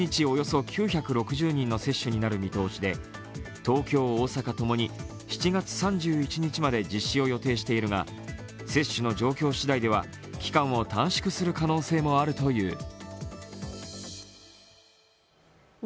およそ９６０人の接種になる見通しで、東京・大阪ともに７月３１日まで実施を予定しているが接種の状況しだいでは期間を短縮する可能性もあるという。